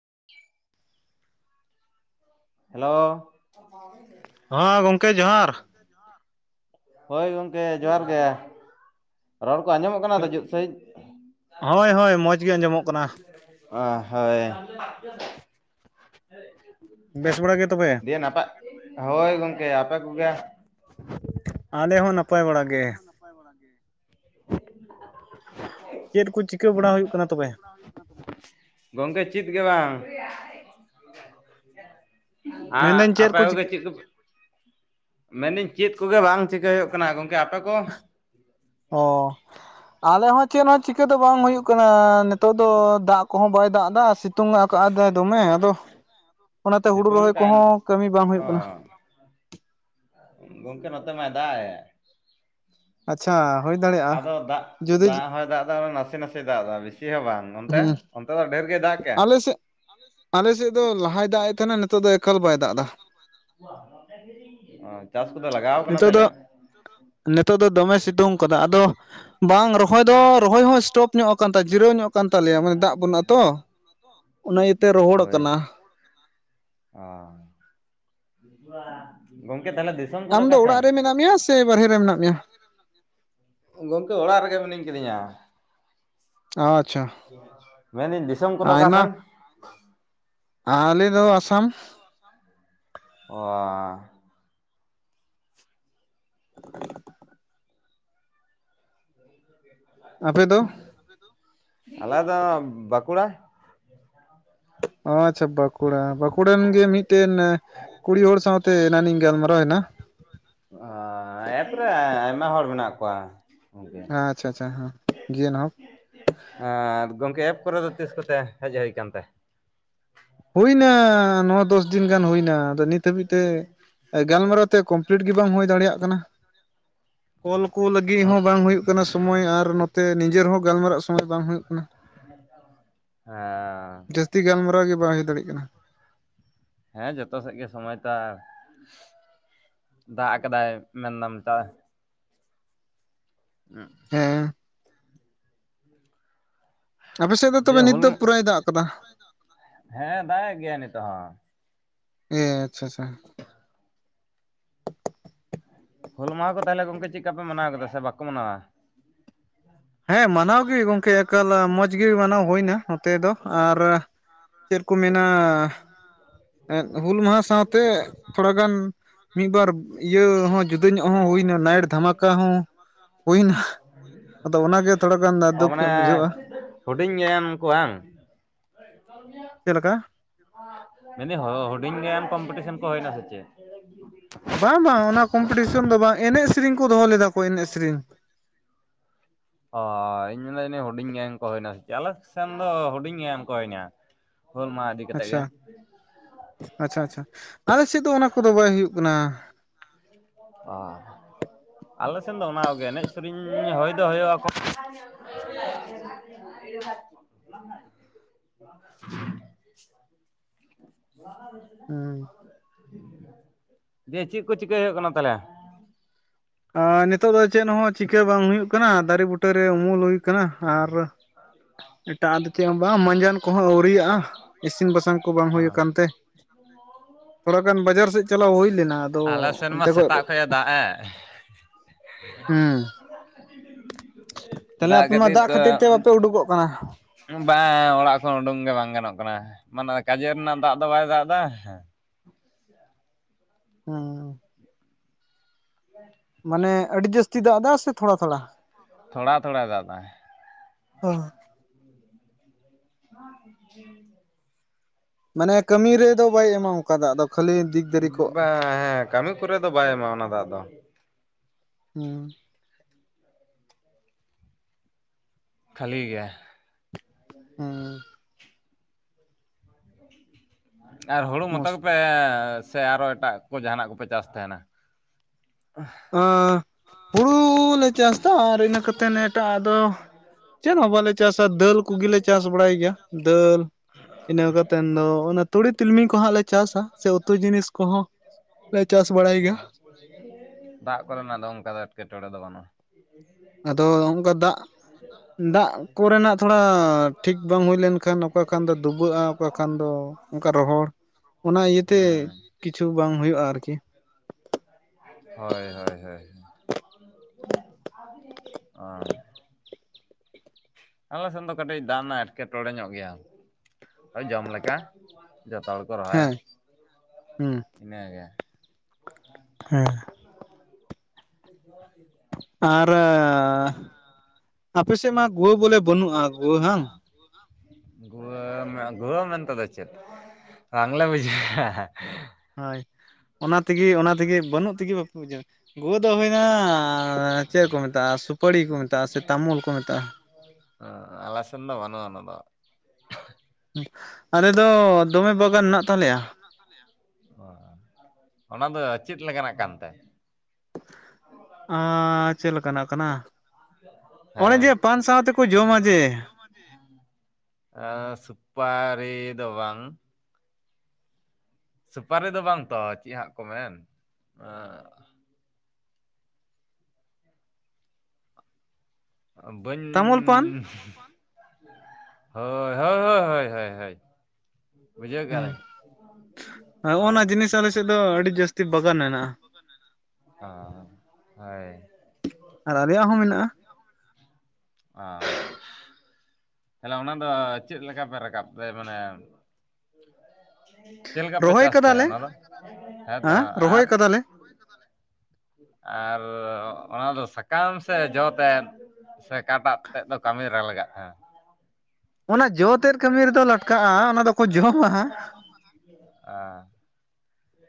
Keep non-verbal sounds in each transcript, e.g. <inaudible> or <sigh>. ᱻ <inaudible> ᱦᱮᱞᱳ ᱦᱚᱸ ᱜᱚᱢᱠᱮ ᱡᱚᱦᱟᱨ ᱦᱳᱭ ᱜᱚᱢᱠᱮ ᱡᱚᱦᱟᱨ ᱜᱮ᱾ ᱨᱚᱲ ᱠᱚ ᱟᱸᱡᱚᱢᱚᱜ ᱠᱟᱱᱟ ᱛᱚ ᱡᱩᱫ ᱥᱟᱺᱦᱤᱡ ᱦᱳᱭ ᱦᱳᱭ ᱢᱚᱡᱽ <unintelligible> ᱜᱮ ᱦᱚᱭ ᱦᱚᱭ ᱟᱸᱡᱚᱢᱚᱜ ᱢᱚᱡᱽ ᱠᱟᱱᱟ ᱜᱮ ᱟᱡᱚᱢᱚᱜ ᱠᱟᱱᱟ ᱚ ᱦᱳᱭ ᱵᱮᱥ ᱵᱟᱲᱟ ᱜᱮ ᱛᱚᱵᱮ ᱱᱟᱯᱟᱜ ᱦᱳᱭ ᱜᱚᱢᱠᱮ ᱟᱯᱮ ᱠᱚᱜᱮ ᱟᱞᱮ ᱦᱚᱸ ᱱᱟᱯᱟᱭ ᱵᱟᱲᱟᱜ ᱜᱮ᱾ <inaudible> ᱪᱮᱫ ᱠᱚ ᱪᱤᱠᱟᱹ ᱵᱟᱲᱟ ᱦᱩᱭᱩᱜ ᱠᱟᱱᱟ ᱛᱚᱵᱮ? ᱜᱚᱝᱠᱮ ᱪᱮᱫ ᱜᱮ ᱵᱟᱝ ᱢᱮᱱᱫᱟᱹᱧ <unintelligible> ᱪᱮᱫ ᱟᱯᱮ ᱠᱚ ᱠᱚᱜᱮ ᱪᱤᱠᱟᱹ ᱪᱮᱫ ᱠᱚᱯᱮ ᱢᱮᱱᱮᱫᱟᱹᱧ ᱪᱮᱫ ᱠᱚᱜᱮ ᱵᱟᱝ ᱪᱤᱠᱟᱹᱭ ᱦᱩᱭᱩᱜ ᱠᱟᱱᱟ ᱠᱟᱱᱟ ᱜᱚᱢᱠᱮ ᱟᱯᱮ ᱠᱚ ᱚ ᱟᱞᱮ ᱦᱚᱸ ᱪᱮᱫ ᱦᱚᱸ ᱪᱤᱠᱟᱹ ᱫᱚ ᱵᱟᱝ ᱦᱩᱭᱩᱜ ᱠᱟᱱᱟᱻᱟ ᱱᱤᱛᱳᱜ ᱫᱚ ᱫᱟᱜ ᱠᱚᱦᱚᱸ ᱵᱟᱭ ᱫᱟᱜ ᱮᱫᱟ᱾ ᱥᱤᱛᱩᱝ ᱟᱠᱟᱫᱼᱟᱫᱟᱭ ᱫᱚᱢᱮ ᱟᱫᱚ ᱚᱱᱟᱛᱮ ᱦᱩᱲᱩ ᱥᱤᱛᱩᱝ ᱨᱚᱦᱚᱭ ᱠᱚᱦᱚᱸ ᱠᱟᱱ ᱠᱟᱹᱢᱤ ᱵᱟᱝ ᱚ ᱦᱩᱭᱩᱜ ᱠᱟᱱᱟ᱾ ᱜᱚᱢᱠᱮ ᱱᱚᱛᱮ ᱢᱚ ᱫᱟᱜ ᱮᱜ <unintelligible> ᱟᱪᱪᱷᱟ ᱦᱩᱭ ᱫᱟᱲᱮᱭᱟᱜᱼᱟ ᱟᱫᱚ ᱫᱟᱜ ᱡᱩᱫᱤ ᱫᱟᱜ ᱦᱚᱭ ᱫᱟᱜ ᱮᱫᱟ ᱱᱟᱥᱮ-ᱱᱟᱥᱮ ᱫᱟᱜ ᱮᱫᱟ ᱵᱤᱥᱤ ᱦᱚᱸ ᱵᱟᱝ ᱚᱱᱛᱮ ᱦᱮᱸ ᱚᱱᱛᱮ ᱫᱚ ᱰᱷᱮᱨ ᱜᱮ ᱫᱟᱜ ᱠᱮᱜ ᱼᱟ? ᱟᱞᱮᱥᱮᱫ ᱫᱚ ᱞᱟᱦᱟᱭ ᱫᱟᱜ ᱮᱫ ᱛᱟᱦᱮᱱᱟ᱾ ᱱᱤᱛᱚᱜ ᱫᱚ ᱮᱠᱟᱞ ᱵᱟᱭ ᱫᱟᱜ ᱮᱫᱟ᱾ ᱪᱟᱥ ᱠᱚᱫᱚ ᱞᱟᱜᱟᱣ ᱠᱟᱱᱟ ᱛᱟᱦᱞᱮ ᱱᱤᱛᱳᱜ ᱫᱚ ᱫᱚᱢᱮ ᱥᱤᱛᱩᱝ ᱟᱠᱟᱫᱟ ᱟᱫᱚ ᱵᱟᱝ ᱨᱚᱦᱚᱭ ᱫᱚ ᱨᱚᱦᱚᱭ ᱦᱚᱸ ᱥᱴᱚᱯ ᱧᱚᱜ ᱟᱠ ᱛᱟᱭ ᱡᱤᱨᱟᱹᱣ ᱧᱚᱜ <unintelligible> ᱠᱟᱱ ᱛᱟᱞᱮᱭᱟ ᱢᱟᱱᱮ ᱫᱟᱜ ᱵᱟᱹᱱᱩᱜ ᱟᱛᱚ ᱚᱱᱟ ᱤᱭᱟᱹᱛᱮ ᱨᱚᱦᱚᱲᱚᱜ ᱠᱟᱱᱟ ᱳ <unintelligible> <unintelligible> ᱜᱚᱢᱠᱮ ᱛᱟᱞᱦᱮ ᱫᱤ <unintelligible> ᱟᱢ ᱫᱚ ᱚᱲᱟᱜ ᱨᱮ ᱢᱮᱱᱟᱜ ᱢᱮᱭᱟ ᱥᱮ ᱵᱟᱨᱦᱮ ᱨᱮ ᱢᱮᱱᱟᱜ ᱢᱮᱭᱟ ᱜᱚᱢᱠᱮ ᱚᱲᱟᱜ ᱨᱮᱜᱮ ᱢᱤᱱᱟᱹᱧ ᱠᱤᱫᱤᱧᱟ ᱟᱪᱪᱷᱟ <unintelligible> ᱢᱮᱱᱟᱹᱧ ᱫᱤᱥᱚᱢ ᱠᱚᱫᱚ ᱚᱠᱟ ᱥᱮᱱ ᱟᱭᱢᱟ <unintelligible> ᱟᱞᱮ ᱫᱚ ᱟᱥᱟᱢ ᱚᱣᱟᱻ <inaudible> ᱟᱯᱮ ᱫᱚ <unintelligible> ᱟᱞᱮᱫᱚ ᱵᱟᱸᱠᱩᱲᱟ ᱚ ᱟᱪᱷᱟ ᱵᱟᱸᱠᱩᱲᱟ ᱵᱟᱸᱠᱩᱲᱟ <unintelligible> ᱮᱱ ᱜᱮ ᱢᱤᱫᱴᱮᱱ ᱠᱩᱲᱤ ᱦᱚᱲ ᱥᱟᱶᱛᱮ ᱮᱱᱟᱱᱤᱧ ᱜᱟᱞᱢᱟᱨᱟᱣ ᱮᱱᱟ <unintelligible> ᱮᱯᱨᱮ <unintelligible> ᱟᱭᱢᱟ ᱦᱚᱲ ᱢᱮᱱᱟᱜ ᱠᱚᱣᱟ ᱜᱚᱝᱠᱮ ᱟᱪᱪᱷᱟ ᱟᱪᱪᱷᱟ ᱦᱮᱸ <unintelligible> <unintelligible> ᱜᱚᱢᱠᱮ ᱮᱯ ᱠᱚᱨᱮ ᱫᱚ ᱛᱤᱥ ᱠᱚᱛᱮ ᱦᱮᱡ ᱦᱩᱭ ᱟᱠᱟᱱ ᱛᱮ ᱦᱩᱭ ᱮᱱᱟ ᱱᱚ ᱫᱚᱥ ᱫᱤᱱ ᱜᱟᱱ ᱦᱩᱭ ᱮᱱᱟ ᱟᱫᱚ ᱱᱤᱛ ᱦᱟᱹᱵᱤᱡ ᱛᱮ ᱜᱟᱞᱢᱟᱨᱟᱣ ᱛᱮ <unintelligible> <unintelligible> ᱞᱤᱴ ᱜᱮ ᱵᱟᱝ ᱦᱩᱭ ᱫᱟᱲᱮᱭᱟᱜ ᱠᱟᱱᱟ ᱠᱚᱞ ᱠᱚ ᱞᱟᱹᱜᱤᱫ ᱦᱚᱸ ᱵᱟᱝ ᱦᱩᱭᱩᱜ ᱠᱟᱱᱟ ᱥᱚᱢᱚᱭ ᱟᱨ ᱱᱚᱛᱮ ᱱᱤᱡᱮᱨ ᱦᱚᱸ ᱜᱟᱞᱢᱟᱨᱟᱜ ᱥᱚᱢᱚᱭ ᱵᱟᱝ ᱦᱩᱭᱩᱜ ᱠᱟᱱᱟ᱾ <unintelligible> <inaudible> ᱮᱸ <unintelligible> ᱡᱟᱹᱥᱛᱤ ᱜᱟᱞᱢᱟᱨᱟᱜ ᱜᱮ ᱵᱟᱝ ᱦᱩᱭᱩᱜ <unintelligible> ᱫᱟᱲᱮᱭᱟᱜ ᱠᱟᱱᱟ ᱦᱮᱸ ᱡᱚᱛᱚ ᱥᱮᱫ ᱜᱮ ᱥᱚᱢᱚᱭ ᱛᱟ <unintelligible> ᱫᱟᱜ ᱟᱠᱟᱫᱟᱭ ᱢᱮᱱᱫᱟᱢ ᱫᱟᱜ <unintelligible> ᱦᱮᱸ ᱟᱯᱮ ᱥᱮᱫ ᱫᱚ ᱛᱚᱵᱮ ᱫᱤᱭᱮ ᱱᱤᱛ ᱦᱩᱞ ᱫᱚ ᱯᱩᱨᱟᱹᱭ ᱫᱟᱜ ᱟᱠᱟᱫᱟ ᱦᱮᱸ ᱫᱟᱜ ᱮᱫ ᱜᱮᱭᱟ ᱱᱤᱛᱚᱜ ᱦᱚᱸ ᱮ ᱟᱪᱪᱷᱟ ᱟᱪᱪᱷᱟ <inaudible> ᱦᱩᱞ ᱢᱟᱦᱟ ᱠᱚ ᱛᱟᱦᱚᱞᱮ ᱜᱚᱝᱠᱮ ᱪᱮᱜ ᱞᱮᱠᱟᱯᱮ ᱢᱟᱱᱟᱣ ᱠᱮᱫᱟ ᱥᱮ ᱵᱟᱠᱚ ᱢᱟᱱᱟᱣᱟ ᱦᱮᱸ ᱢᱟᱱᱟᱣ ᱜᱮ ᱜᱚᱝᱠᱮ ᱮᱠᱟᱞ ᱢᱚᱸᱡᱽ ᱜᱮ ᱢᱟᱱᱟᱣ ᱦᱩᱭ ᱮᱱᱟ ᱱᱚᱛᱮ ᱫᱚ ᱟᱨ ᱪᱮᱫ ᱠᱚ ᱢᱮᱱᱟ? ᱦᱩᱞ ᱢᱟᱦᱟ ᱥᱟᱶᱛᱮ ᱛᱷᱚᱲᱟ ᱜᱟᱱ ᱢᱤᱫ ᱵᱟᱨ ᱤᱭᱟᱹ ᱦᱚᱸ <unintelligible> <unintelligible> ᱡᱩᱫᱟᱹ ᱧᱚᱜ ᱦᱚᱸ ᱦᱩᱭᱱᱟ ᱱᱟᱭᱤᱴ ᱫᱷᱟᱢᱟᱠᱟ ᱦᱚᱸ ᱦᱩᱭᱱᱟ ᱟᱫᱚ ᱚᱱᱟᱜᱮ ᱛᱷᱚᱲᱟ ᱜᱟᱱ ᱫᱩᱠ <unintelligible> ᱢᱟᱱᱮ ᱧᱚᱜ ᱵᱩᱡᱷᱟᱹᱜᱼᱟ ᱦᱩᱰᱤᱧ ᱜᱮ ᱮᱢ ᱠᱚᱜ-ᱟᱝ ᱪᱮᱫ ᱞᱮᱠᱟ ᱢᱮᱱᱫᱟᱹᱧ ᱦᱩᱰᱤᱧ ᱜᱮ ᱠᱚᱢᱯᱤᱴᱤᱥᱮᱱ ᱠᱚ ᱦᱩᱭᱮᱱᱟ ᱥᱮ ᱪᱮᱫ ᱵᱟᱝ ᱵᱟᱝ ᱚᱱᱟ ᱠᱚᱢᱯᱤᱴᱤᱥᱚᱱ ᱫᱚ ᱵᱟᱝ ᱮᱱᱮᱡ ᱥᱮᱨᱮᱧ ᱠᱚ ᱫᱚᱦᱚ ᱞᱮᱫᱟ ᱠᱚ ᱮᱱᱮᱡ ᱥᱮᱨᱮᱧ <unintelligible> ᱤᱧ ᱢᱮᱱᱟ ᱦᱩᱰᱤᱧ <unintelligible> ᱠᱚ ᱦᱩᱭᱱᱟ ᱥᱮ ᱪᱮ ᱟᱞᱮᱠᱥᱮᱱ ᱫᱚ ᱦᱩᱰᱤᱧ ᱜᱮ <unintelligible> ᱠᱚ <unintelligible> ᱦᱳᱞ ᱢᱟᱦᱟ ᱤᱫᱤ <unintelligible> ᱟᱪᱷᱟ ᱟᱪᱷᱟ ᱟᱪᱷᱟ ᱟᱞᱮ ᱥᱮᱫ ᱫᱚ ᱚᱱᱟ ᱠᱚᱫᱚ ᱵᱟᱭ ᱦᱩᱭᱩᱜ ᱠᱟᱱᱟ ᱚ <unintelligible> ᱟᱞᱮ ᱥᱮᱱ ᱫᱚ ᱚᱱᱟ ᱠᱚᱜᱮ ᱮᱱᱮᱡ ᱥᱮᱨᱮᱧ ᱦᱚᱭ ᱫᱚ ᱦᱚᱭᱚᱜ ᱟᱠᱚ <unintelligible> <unintelligible> <unintelligible> <inaudible> <unintelligible> <unintelligible> ᱪᱮᱜ ᱠᱚ ᱪᱤᱠᱟᱹ ᱦᱩᱭᱩᱜ ᱠᱟᱱᱟ ᱛᱟᱞᱦᱮ <unintelligible> ᱱᱤᱛᱚᱜ ᱫᱚ ᱪᱮᱫ ᱦᱚᱸ ᱪᱤᱠᱟᱹ ᱵᱟᱝ ᱦᱩᱭᱩᱜ <unintelligible> ᱫᱟᱨᱮ ᱵᱩᱴᱟᱹᱨ ᱨᱮ ᱩᱢᱩᱞ ᱦᱩᱭ ᱟᱠᱟᱱᱟ ᱟᱨ ᱮᱴᱟᱜ ᱫᱚ ᱪᱮᱫ ᱦᱚᱸ ᱵᱟᱝ ᱢᱟᱡᱟᱱ <unintelligible> ᱠᱚᱦᱚᱸ ᱟᱹᱣᱨᱤᱭᱟᱜᱼᱟ ᱤᱥᱤᱱ ᱵᱟᱥᱟᱝ ᱠᱚ ᱵᱟᱝ ᱚ ᱦᱩᱭ ᱟᱠᱟᱱ ᱛᱮ <inaudible> ᱛᱷᱚᱲᱟ ᱜᱟᱱ ᱵᱟᱡᱟᱨ ᱥᱮᱫ ᱪᱟᱞᱟᱣ ᱦᱩᱭ ᱞᱮᱱᱟ ᱟᱫᱚ ᱟᱞᱮ ᱥᱮᱱ ᱢᱟ ᱚᱱᱛᱮ ᱠᱷᱚᱡ ᱥᱮᱛᱟᱜ ᱮ ᱫᱟᱜ ᱮ ᱦᱩᱸ ᱛᱟᱦᱞᱮ ᱫᱟᱜ ᱟᱯᱮ ᱢᱟ ᱠᱷᱟᱹᱛᱤᱨ ᱛᱮ ᱵᱟᱯᱮ ᱩᱰᱩᱠᱚᱜ ᱠᱟᱱᱟ ᱵᱟᱝ ᱚᱲᱟᱜ ᱠᱷᱚᱱ ᱩᱰᱩᱝ ᱜᱮ ᱵᱟᱝ ᱜᱟᱱᱚᱜ ᱠᱟᱱᱟ ᱢᱟᱱᱮ ᱠᱟᱡᱮᱨ ᱨᱮᱱᱟᱜ ᱫᱟᱜ ᱫᱚ ᱵᱟᱭ ᱫᱟᱜ ᱮᱫᱟ ᱦ <inaudible> ᱢᱟᱱᱮ ᱟᱹᱰᱤ ᱡᱟᱹᱥᱛᱤ ᱫᱟᱜ ᱮᱫᱟ ᱥᱮ ᱛᱷᱚᱲᱟ ᱛᱷᱚᱲᱟ? ᱛᱷᱚᱲᱟ ᱛᱷᱚᱲᱟᱭ ᱫᱟᱜ ᱮᱫᱟᱭ <unintelligible> <unintelligible> ᱢᱟᱱᱮ ᱠᱟᱹᱢᱤ ᱨᱮᱫᱚ ᱵᱟᱭ ᱮᱢᱟᱢ ᱠᱟᱫᱟ ᱟᱫᱚ ᱠᱷᱟᱹᱞᱤ ᱫᱤᱠ ᱫᱟᱨᱮ ᱠᱚ ᱵᱟᱝ ᱦᱮᱸ ᱠᱟᱹᱢᱤ ᱠᱚᱨᱮ ᱫᱚ ᱵᱟᱭ ᱮᱢᱟ ᱚᱱᱟ ᱫᱟᱜ ᱫᱚ᱾ ᱦᱩᱸ ᱠᱷᱟᱹᱞᱤ ᱜᱮᱭᱟ ᱦᱩᱸ ᱟᱨ ᱦᱩᱲᱩ ᱢᱚᱛᱚ ᱢᱩᱥ ᱜᱮᱯᱮ ᱥᱮ ᱟᱨᱚ ᱮᱴᱟᱜ ᱠᱚ ᱡᱟᱦᱟᱱᱟᱜ ᱠᱚᱯᱮ ᱪᱟᱥ ᱛᱟᱦᱮᱱᱟ? ᱟ ᱦᱩᱲᱩ ᱞᱮ ᱪᱟᱥᱫᱟ ᱟᱨ ᱤᱱᱟᱹ ᱠᱟᱛᱮᱫ ᱱᱴᱟᱜ ᱟᱫᱚ ᱪᱮᱫ ᱦᱚᱸ ᱵᱟᱞᱮ ᱪᱟᱥᱟ ᱫᱟᱹᱞ ᱠᱚᱜᱮᱞᱮ ᱪᱟᱥ ᱵᱟᱲᱟᱭ ᱜᱮᱭᱟ ᱫᱟᱹᱞ ᱤᱱᱟᱹ ᱠᱟᱛᱮᱸᱫ ᱫᱚ ᱚᱱᱟ ᱛᱩᱲᱤ ᱛᱤᱞᱢᱤ ᱠᱚᱦᱟᱸᱜ ᱞᱮ ᱪᱟᱥᱟ ᱥᱮ ᱩᱛᱩ ᱡᱤᱱᱤᱥ ᱠᱚᱦᱚᱸ ᱯᱮ ᱪᱟᱥ ᱵᱟᱲᱟᱭ ᱜᱮᱣᱟ? ᱦᱳᱭ ᱫᱟᱜ ᱠᱚᱨᱮᱱᱟᱜ ᱫᱚ ᱚᱱᱠᱟ ᱫᱚ ᱮᱴᱠᱮᱴᱬᱮ ᱫᱚ ᱵᱟᱹᱱᱩᱜᱼᱟ᱾ ᱟᱫᱚ ᱝᱠᱟ ᱫᱟᱜ ᱫᱟᱜ ᱠᱚᱨᱮᱱᱟᱜ ᱛᱷᱚᱲᱟ ᱴᱷᱤᱠ ᱵᱟᱝ ᱦᱩᱭ ᱞᱮᱱᱠᱷᱟᱱ ᱚᱠᱟ ᱠᱷᱟᱱ ᱫᱚ ᱰᱩᱵᱟᱹᱜᱼᱟ ᱚᱠᱟ ᱠᱷᱟᱱ ᱫᱚ ᱚᱱᱠᱟ ᱨᱚᱦᱚᱲ ᱚᱱᱟ ᱤᱭᱟᱹᱛᱮ ᱦᱩᱸ ᱠᱤᱪᱷᱩ ᱵᱟᱝ ᱦᱩᱭᱩᱜᱼᱟ ᱟᱨᱠᱤ ᱦᱳᱭ ᱦᱳᱭ ᱦᱳᱭ ᱚ ᱟᱞᱮ ᱥᱮᱮᱫ ᱫᱚ ᱠᱟᱹᱴᱤᱡ ᱫᱟᱢ ᱨᱮᱱᱟᱜ ᱮᱸᱴᱠᱮᱴᱚᱬᱮ ᱧᱚᱜ ᱜᱮᱭᱟᱳ ᱡᱚᱢ ᱞᱮᱠᱟ ᱡᱚᱛᱚ ᱦᱚᱲ ᱠᱚ ᱨᱚᱦᱚᱭᱟ ᱦᱮᱸ ᱤᱱᱟᱹ ᱦᱮᱸ <inaudible> ᱟᱨ ᱟᱯᱮ ᱥᱮᱫ ᱢᱟ ᱜᱩᱣᱟᱹ ᱵᱚᱞᱮ ᱵᱟᱹᱱᱩᱜᱼᱟ ᱜᱩᱣᱟᱹ ᱵᱟᱝᱟᱝ? ᱜᱩᱢ ᱜᱩᱦᱢ ᱮᱱ ᱛ ᱫᱚ ᱪᱮᱫ ᱵᱟᱝᱞᱟ ᱵᱩᱡᱤᱸ ᱦᱳᱭ ᱚᱱᱟ ᱛᱮᱜᱮ ᱚᱱᱟ ᱛᱮᱜᱮ ᱵᱟᱹᱱᱩᱜ ᱛᱮᱜᱮ ᱵᱟᱯᱮ ᱵᱩᱡᱷᱟᱹ ᱜᱚᱜᱚ ᱫᱚ ᱦᱩᱭᱱᱟ ᱪᱮᱫ ᱠᱚ ᱢᱮᱛᱟᱜᱼᱟ ᱥᱩᱯᱟᱹᱲᱤ ᱠᱚ ᱢᱮᱛᱟᱜᱼᱟ ᱥᱮ ᱛᱟᱢᱩᱞ ᱠᱚ ᱢᱮᱛᱟᱜᱼᱟ? ᱦᱸ ᱟᱞᱥᱚᱱ ᱫᱚ ᱵᱟᱹᱱᱩ ᱟ ᱚᱱᱟ ᱫᱚ ᱟᱞᱮ ᱫᱚ ᱫᱚᱢᱮ ᱵᱟᱜᱟᱱ ᱢᱮᱱᱟᱜ ᱛᱟᱞᱮᱭᱟᱹ ᱢᱮᱱᱟᱜ ᱛᱟᱞᱮᱭᱟ ᱚ ᱚᱱᱟ ᱫᱚ ᱪᱮᱫ ᱞᱮᱠᱟᱱᱟᱜ ᱠᱟᱱᱛᱮ ᱟᱨ ᱪᱮᱫᱮ ᱞᱮᱠᱟᱱᱟᱜ ᱠᱟᱱᱟ ᱚᱱᱮ ᱮᱸ ᱡᱮ ᱯᱟᱱ ᱥᱟᱶ ᱛᱮᱠᱚ ᱡᱚᱢᱟ ᱡᱮ <unintelligible> ᱟ ᱥᱩᱯᱟᱨᱤ ᱫᱚ ᱵᱟᱝ ᱥᱩᱯᱟᱨᱤ ᱫᱚ ᱵᱟᱝ ᱛᱚ ᱪᱮᱫ ᱦᱟᱸᱜ ᱠᱚ ᱢᱮᱱ ᱛᱟᱢᱩᱞ ᱯᱟᱱ ᱵᱟᱹᱧ ᱦᱳᱭ ᱦᱳᱭ ᱵᱩᱡᱷᱟᱹᱣ ᱠᱮᱜᱼᱟ ᱞᱤᱧ ᱦ ᱚ ᱦᱚᱜᱼᱚ ᱱᱟ ᱡᱤᱱᱤᱥ ᱟᱞᱮ ᱥᱮᱫ ᱫᱚ ᱟᱹᱰᱤ ᱡᱟᱹᱥᱛᱤ ᱵᱟᱜᱟᱱ ᱦᱮᱱᱟᱜᱼᱟ ᱚ ᱦᱳᱭ ᱟᱨ ᱟᱞᱮᱭᱟᱜ ᱦᱚᱸ ᱢᱮᱱᱟᱜᱼᱟ ᱚ ᱛᱟᱦᱞᱮ ᱚᱱᱟ ᱫᱚ ᱪᱮᱫ ᱞᱮᱠᱟ ᱯᱮ ᱨᱟᱠᱟᱵ ᱫᱟ ᱢᱟᱱᱮ ᱪᱮᱫ ᱞᱮᱠᱟ ᱯᱮ ᱨᱚᱦᱚᱭ ᱪᱟᱥ ᱛᱟᱦᱮᱫ ᱠᱟᱫᱟᱞᱮ ᱚᱱᱟ ᱫᱚ ᱦᱮᱸᱛᱚ ᱦᱮᱸ ᱟᱨ ᱨᱚᱦᱚᱭ <inaudible> ᱠᱟᱫᱟᱞᱮ ᱟᱨ ᱚᱱᱟ ᱫᱚ ᱥᱟᱠᱟᱢ ᱥᱮ ᱡᱚ ᱛᱮᱫ ᱥᱮ ᱮᱠᱟᱴᱟᱜ ᱛᱮᱫ ᱫᱚ ᱠᱟᱹᱢᱤ ᱨᱮ ᱞᱟᱜᱟᱜᱼ ᱦᱮᱸ ᱚᱱᱟ ᱡᱚ ᱛᱮᱫ ᱠᱟᱹᱢᱤ ᱨᱮᱫᱚ ᱞᱟᱜᱟᱜᱼᱟ ᱚᱱᱟ ᱫᱚᱠᱚ ᱡᱚᱢᱟ <inaudible> ᱚ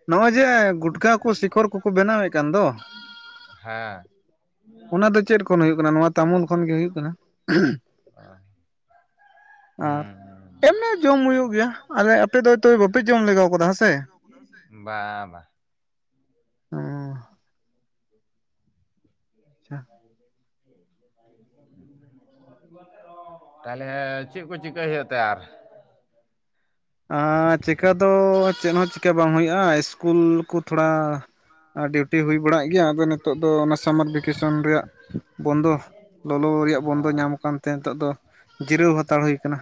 ᱱᱚᱜᱼᱚᱭ ᱡᱮ ᱜᱩᱴᱠᱟ ᱠᱚ ᱥᱤᱠᱚᱨ ᱠᱚᱠᱚ ᱵᱮᱱᱟᱣᱮᱫ ᱠᱟᱱ ᱫᱚ ᱦᱮᱸ ᱚᱱᱟ ᱫᱚ ᱪᱮᱫ ᱠᱷᱚᱱ ᱦᱩᱭᱩᱜ ᱠᱟᱱᱟ ᱱᱚᱣᱟ ᱛᱟᱢᱩᱞ ᱠᱷᱚᱱ ᱜᱮ ᱦᱩᱭᱩᱜ ᱠᱟᱱᱟ <unintelligible> ᱟᱨ ᱦᱩᱸ ᱫᱚᱢᱮ ᱡᱚᱢ ᱦᱩᱭᱩᱜ ᱜᱮᱭᱟ ᱟᱞᱮ ᱟᱯᱮ ᱫᱚ ᱦᱚᱭᱛᱳ ᱵᱟᱯᱮ ᱡᱚᱢ ᱞᱮᱜᱟᱣ ᱠᱟᱫᱟ ᱦᱮᱸ ᱥᱮ ᱵᱟ ᱵᱟ ᱚᱸ ᱟᱨ ᱻ <inaudible> ᱛᱟᱦᱚᱞᱮ ᱪᱮᱫ ᱠᱚ ᱪᱤᱠᱟᱹᱭ ᱦᱩᱭᱩᱜ ᱛᱮ ᱟᱨ ᱟᱸᱻ ᱪᱤᱠᱟᱹ ᱫᱚ ᱪᱮᱫ ᱦᱚᱸ ᱪᱤᱠᱟᱹ ᱵᱟᱝ ᱦᱩᱭᱩᱜᱼᱟ ᱤᱥᱠᱩᱞ ᱠᱚ ᱛᱷᱚᱲᱟ ᱟᱨ ᱰᱤᱣᱴᱤ ᱦᱩᱭ ᱵᱟᱲᱟᱜ ᱜᱮᱭᱟ ᱟᱫᱚ ᱱᱤᱛᱚᱜ ᱫᱚ ᱚᱱᱟ ᱥᱟᱢᱟᱨ ᱵᱷᱮᱠᱮᱥᱚᱱ ᱨᱮᱭᱟᱜ ᱵᱚᱱᱫᱚ ᱞᱚᱞᱚ ᱨᱮᱭᱟᱜ ᱵᱚᱱᱫᱚ ᱧᱟᱢ ᱠᱟᱱᱛᱮ ᱱᱤᱛᱚᱜ ᱫᱚ ᱡᱤᱨᱟᱹᱣ ᱦᱟᱛᱟᱲ ᱦᱩᱭ ᱟᱠᱟᱱᱟ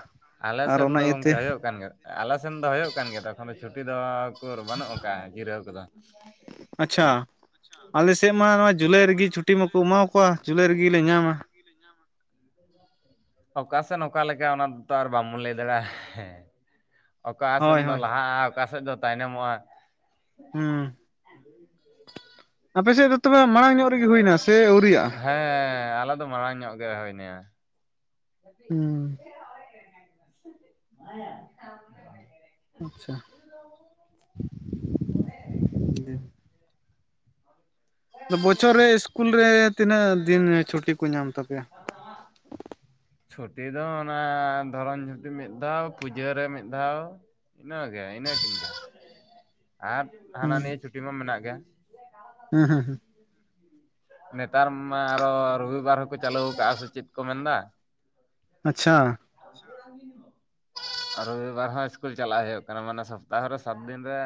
ᱟᱞᱮ ᱟᱨ ᱥᱮᱫ ᱫᱚ ᱚᱱᱟ ᱤᱭᱟᱹᱛᱮ ᱜᱚᱝᱠᱮ ᱦᱩᱭᱩᱜ ᱠᱟᱱ ᱜᱮᱭᱟ ᱟᱞᱮ ᱥᱮᱱ ᱫᱚ ᱦᱩᱭᱩᱜ ᱠᱟᱱ ᱜᱮᱭᱟ ᱛᱚᱠᱷᱚᱱ ᱫᱚ ᱪᱷᱩᱴᱤ ᱫᱚᱠᱚ ᱵᱟᱹᱱᱩᱜ ᱟᱠᱟᱜᱼᱟ ᱡᱤᱨᱟᱹᱣ ᱠᱚᱫᱚ ᱟᱪᱪᱷᱟ ᱟᱞᱮᱥᱮᱫ ᱢᱟ ᱱᱚᱣᱟ ᱡᱩᱞᱟᱭ ᱨᱮᱜᱮ ᱪᱷᱩᱴᱤ ᱢᱟᱠᱚ ᱮᱢᱟᱠᱚᱣᱟ ᱡᱩᱞᱟᱭ ᱨᱮᱜᱮ ᱞᱮ ᱧᱟᱢᱟ ᱚᱠᱟ ᱥᱮᱱ ᱚᱠᱟ ᱞᱮᱠᱟ ᱚᱱᱟᱛᱚ ᱟᱨ ᱵᱟᱢᱵᱚᱱ ᱞᱟᱹᱭ ᱫᱟᱲᱮᱭᱟᱜᱼᱟ ᱦᱮᱸ ᱚᱠᱟ ᱥᱮᱫ ᱦᱳᱭ ᱫᱚ ᱦᱳᱭ ᱞᱟᱦᱟᱜᱼᱟ ᱚᱠᱟ ᱥᱮᱫ ᱫᱚ ᱛᱟᱭᱱᱚᱢᱚᱜᱼᱟ ᱦᱩᱸ ᱟᱯᱮ ᱥᱮᱫ ᱫᱚ ᱛᱚᱵᱮ ᱢᱟᱲᱟᱝ ᱧᱚᱜ ᱨᱮᱜᱮ ᱦᱩᱭᱱᱟ ᱥᱮ ᱟᱹᱣᱨᱤᱭᱟᱜᱼᱟ <inaudible> ᱦᱮᱸ ᱟᱞᱮ ᱫᱚ ᱢᱟᱲᱟᱝ ᱧᱚᱜ ᱜᱮ ᱦᱩᱭᱱᱟ ᱦᱩᱸ ᱻ ᱟᱪᱪᱷᱟ ᱫᱤ ᱵᱚᱪᱷᱚᱨ ᱨᱮ ᱤᱥᱠᱩᱞ ᱨᱮ ᱛᱤᱱᱟᱹᱜ ᱫᱤᱱ ᱪᱷᱩᱴᱤ ᱠᱚ ᱧᱟᱢ ᱛᱟᱯᱮᱭᱟ ᱪᱷᱩᱴᱤ ᱫᱚ ᱚᱱᱟ ᱫᱷᱚᱨᱚᱱ ᱪᱷᱩᱴᱤ ᱢᱤᱫ ᱫᱷᱟᱣ ᱯᱩᱡᱟᱹᱨᱮ ᱢᱤᱫ ᱫᱷᱟᱣ ᱤᱱᱟᱹᱜᱮ ᱤᱱᱟᱹ ᱠᱤᱱ ᱜᱮ ᱟᱨ ᱦᱟᱱᱟ ᱱᱤᱭᱟᱹ ᱪᱷᱩᱴᱤ ᱢᱟ ᱢᱮᱱᱟᱜ ᱜᱮᱭᱟ ᱦᱮᱸ ᱦᱮᱸ ᱦᱮᱸ ᱤᱭᱟᱹ ᱱᱮᱛᱟᱨ ᱢᱟ ᱟᱨᱚ ᱨᱚᱵᱤᱵᱟᱨ ᱦᱚᱸᱠᱚ ᱪᱟᱞᱩ ᱟᱠᱟᱫᱟᱼᱟ ᱥᱮ ᱪᱮᱫ ᱠᱚ ᱢᱮᱱᱫᱟ ᱟᱪᱪᱷᱟ ᱟᱨ ᱨᱚᱵᱤᱵᱟᱨ ᱦᱚᱸ ᱤᱥᱠᱩᱞ ᱪᱟᱞᱟᱜ ᱦᱩᱭᱩᱜ ᱠᱟᱱᱟ ᱢᱟᱱᱮ ᱥᱚᱯᱛᱟᱦᱚᱨ ᱨᱮ ᱥᱟᱛ ᱫᱤᱱ ᱨᱮ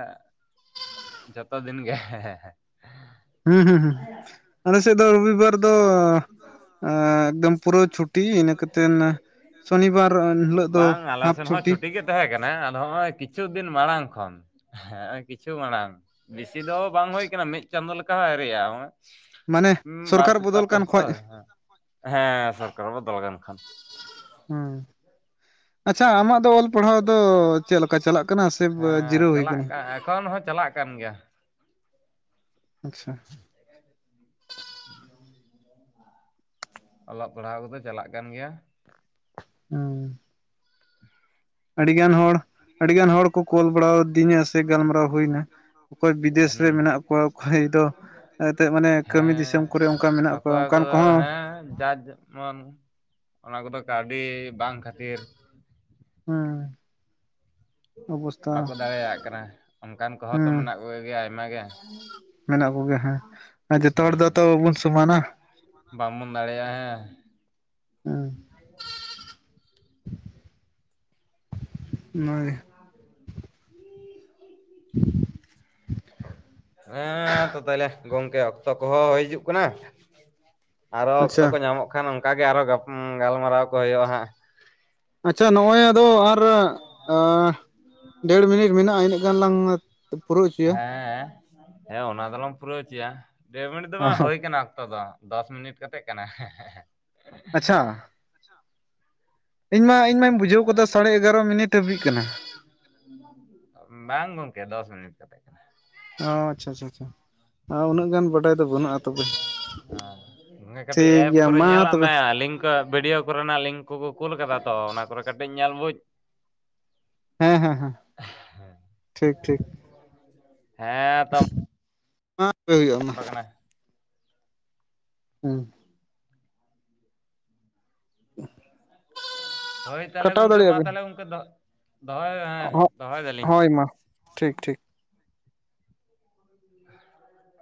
ᱡᱚᱛᱚ ᱫᱤᱱ ᱜᱮᱸ ᱦᱮᱸ ᱦᱮ ᱦᱩᱸ ᱦᱩᱸ ᱦᱩᱸ ᱟᱞᱮ ᱥᱮᱫ ᱫᱚ ᱨᱚᱵᱤᱵᱟᱨ ᱫᱚ ᱮᱠᱫᱚᱢ ᱯᱩᱨᱟᱹ ᱪᱷᱩᱴᱤ ᱤᱱᱟᱹ ᱠᱟᱛᱮᱱ ᱥᱚᱱᱤᱵᱟᱨ ᱦᱤᱞᱳᱜ ᱫᱚ ᱵᱟᱝ ᱟᱞᱮ ᱦᱟᱯ ᱥᱮᱱ ᱦᱚᱸ ᱪᱷᱩᱴᱤ ᱜᱮ ᱛᱟᱦᱮᱸ ᱠᱟᱱᱟ ᱟᱫᱚ ᱱᱚᱜᱼᱚᱭ ᱠᱤᱪᱷᱩ ᱫᱤᱱ ᱢᱟᱲᱟᱝ ᱠᱷᱚᱱ, ᱦᱮᱸ ᱠᱤᱪᱷᱩ ᱢᱟᱲᱟᱝ ᱵᱤᱥᱤ ᱫᱚ ᱵᱟᱝ ᱦᱩᱭ ᱠᱟᱱᱟ ᱢᱤᱫ ᱪᱟᱸᱫᱳ ᱞᱮᱠᱟ ᱦᱚᱸ ᱟᱣᱨᱤᱭᱟᱜ-ᱟ ᱢᱟᱱᱮ ᱵᱟᱨ ᱥᱚᱨᱠᱟᱨ ᱵᱚᱫᱚᱞ ᱥᱚᱯᱛᱟᱦᱚ ᱯᱮ ᱠᱟᱱ ᱠᱷᱚᱡ ᱥᱚᱯᱛᱛᱟᱦᱚ ᱦᱮᱸ ᱥᱚᱨᱠᱟᱨ ᱵᱚᱫᱚᱞᱮᱱᱠᱷᱟᱱ ᱦᱮᱸ ᱟ ᱟᱢᱟᱜ ᱫᱚ ᱚᱞ ᱯᱟᱲᱦᱟᱣ ᱪᱮᱫ ᱫᱚ ᱞᱮᱠᱟ ᱪᱟᱞᱟᱜ ᱠᱟᱱᱟ ᱥᱮ ᱦᱮᱸ ᱡᱤᱨᱟᱹᱣ ᱦᱩᱭ ᱪᱟᱞᱟᱜ ᱠᱟᱱᱟ ᱮᱠᱷᱚᱱ ᱦᱚᱸ ᱪᱟᱞᱟᱜ ᱠᱟᱱᱟ᱾ ᱠᱟᱱ ᱜᱮᱭᱟ᱾ ᱟᱪᱪᱷᱟ <unintelligible> ᱚᱞᱚᱜ ᱯᱟᱲᱦᱟᱣᱟᱜ ᱠᱚᱫᱚ ᱪᱟᱞᱟᱜ ᱠᱟᱱ ᱜᱮᱭᱟ᱾ ᱦᱩᱸ ᱟᱹᱰᱤᱜᱟᱱ ᱦᱚᱲ ᱟᱹᱰᱤ ᱜᱟᱱ ᱦᱚᱲ ᱠᱚ ᱠᱚᱞ ᱵᱟᱲᱟᱟᱣᱫᱤᱧᱟ ᱥᱮ ᱜᱟᱞᱢᱟᱨᱟᱣ ᱦᱩᱭᱱᱟ ᱚᱠᱚᱭ ᱵᱤᱫᱮᱥ ᱨᱮ ᱦᱩᱸ ᱢᱮᱱᱟᱜ ᱠᱚᱣᱟ᱾ ᱚᱠᱚᱭ ᱫᱚ ᱮᱱᱛᱮᱫ ᱢᱟᱱᱮ ᱠᱟᱹᱢᱤ ᱦᱮᱸ ᱫᱤᱥᱚᱢ ᱠᱚᱨᱮ ᱚᱱᱠᱟ ᱢᱮᱱᱟᱜ ᱠᱚᱣᱟ ᱚᱠᱚᱭ ᱚᱱᱠᱟᱱ ᱠᱚᱫᱚ ᱠᱚᱦᱚᱸ ᱦᱮᱸ ᱡᱟ ᱱᱚᱜ ᱚᱱᱟ ᱠᱚᱫᱚ ᱠᱟᱹᱣᱰᱤ ᱵᱟᱝ ᱠᱷᱟᱹᱛᱤᱨ ᱦᱮᱸ ᱵᱟᱠᱚ ᱫᱟᱲᱮᱭᱟᱜ ᱠᱟᱱᱟ ᱚᱱᱠᱟᱱ ᱠᱚᱦᱚᱸ ᱛᱚ ᱦᱩᱸ ᱢᱮᱱᱟᱜ ᱠᱚᱜᱜᱮᱭᱟ ᱟᱭᱢᱟ ᱜᱮ ᱢᱮᱱᱟᱜ ᱠᱚᱜᱮᱭᱟ ᱦᱮᱸ ᱡᱚᱛᱚ ᱦᱚᱲ ᱫᱚ ᱛᱚ ᱵᱚᱱ ᱥᱚᱢᱟᱱᱟᱹ ᱵᱟᱢᱵᱚᱱ ᱫᱟᱲᱮᱭᱟᱜᱼᱟ ᱦᱮᱸ ᱦᱮᱸ ᱚᱱᱟᱮ <inaudible> ᱦᱮᱸ ᱛᱚ ᱛᱟᱦᱞᱮ ᱜᱚᱝᱠᱮ ᱚᱠᱛᱚ ᱠᱚᱦᱚᱸ ᱦᱤᱡᱩᱜ ᱠᱟᱱᱟ ᱟᱨᱚ ᱚᱠᱛᱚ ᱟᱪᱪᱷᱟ ᱠᱚ ᱧᱟᱢᱚᱜ ᱠᱟᱱᱟ᱾ ᱵᱟᱠᱷᱟᱱ ᱚᱱᱠᱟᱟᱜ ᱜᱮ ᱟᱨᱚ ᱜᱟᱞᱢᱟᱨᱟᱣ ᱠᱚ ᱦᱩᱭᱩᱜᱼᱟ ᱦᱟᱸᱜ ᱟᱪᱪᱷᱟ ᱱᱚᱜᱼᱭ ᱟᱫᱚ ᱟᱨ ᱫᱮᱲ ᱢᱤᱱᱤᱴ ᱢᱮᱱᱟᱜᱼᱟ ᱤᱱᱟᱹᱜ ᱜᱟᱱ ᱞᱟᱝ ᱯᱩᱨᱟᱹᱣ ᱦᱚᱪᱚᱭᱟ ᱦᱮᱸ ᱦᱮᱸ ᱚᱱᱟ ᱫᱚᱞᱟᱸᱜ ᱯᱩᱨᱟᱹᱣ ᱦᱚᱪᱚᱭᱟ ᱫᱮ ᱢᱤᱱᱤᱴ ᱫᱚ ᱚ ᱵᱟᱝ ᱦᱚᱸ ᱦᱩᱭ ᱟᱠᱟᱱ ᱚᱠᱛᱚ ᱫᱚ ᱫᱚᱥ ᱢᱤᱱᱤᱴ ᱠᱟᱛᱮᱜ ᱠᱟᱱᱟ ᱦᱮᱸ-ᱦᱮᱸ ᱟᱪᱪᱷᱟ ᱤᱧ ᱢᱟ ᱤᱧ ᱢᱟ ᱤᱧ ᱢᱟ ᱤᱧ ᱢᱟ ᱵᱩᱡᱷᱟᱹᱣ ᱠᱮᱫᱟ ᱥᱟᱲᱮ ᱮᱜᱟᱨᱚ ᱢᱤᱱᱤᱴ ᱵᱟᱡᱮ ᱫ ᱵᱟᱝ ᱜᱚᱝᱠᱮ ᱫᱚᱥ ᱢᱤᱱᱤᱴ ᱠᱟᱛᱮ ᱠᱟᱱᱟ᱾ ᱚ ᱟᱪᱪᱷᱟ ᱟᱪᱪᱷᱟ ᱟᱪᱷᱟ ᱩᱱᱟᱹᱜ ᱜᱟᱱ ᱵᱟᱰᱟᱭ ᱫᱚ ᱵᱟᱹᱱᱩᱜᱼᱟ ᱛᱚᱵᱮ ᱠᱟᱹᱴᱤᱡ ᱴᱷᱤᱠ ᱮᱯ ᱜᱮᱭᱟ ᱠᱚᱨᱮ ᱢᱟ ᱧᱮᱞᱟ ᱛᱚᱵᱮ ᱢᱮ ᱞᱤᱝ ᱵᱷᱤᱰᱭᱳ ᱠᱚᱨᱮᱱᱟᱜ ᱞᱤᱝᱠ ᱠᱚᱠᱚ ᱠᱩᱞ ᱠᱟᱫᱟ ᱛᱚ ᱚᱱᱟ ᱠᱚᱨᱮ ᱠᱟᱹᱴᱤᱡ ᱧᱮᱞ ᱵᱩᱡᱽ ᱦᱮᱸ ᱦᱮᱸ ᱦᱮᱸ ᱴᱷᱤᱠ ᱴᱷᱤᱠ ᱦᱮᱸ ᱛ ᱢᱟᱯᱮ ᱦᱩᱭᱩᱜᱼᱟ ᱢᱟ ᱦᱩᱸ ᱦᱚ ᱦᱳᱭ ᱛᱟᱦᱚᱞᱮ ᱜᱚᱝᱠᱮ ᱢᱟ ᱛᱟᱦᱚᱞᱮ ᱜᱚᱢᱠᱮ ᱫᱚᱦᱚᱭ ᱦᱮᱸ ᱫᱚᱦᱚᱭ ᱫᱟᱞᱤᱧ ᱦᱳᱭ ᱢᱟ ᱴᱷᱤᱠ ᱴᱷᱤᱠ ᱦ <unintelligible>